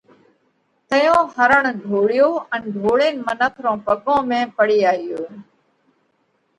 تئيون هرڻ ڍوڙيو ان ڍوڙينَ منک رون پڳون ۾ پڙي آيو۔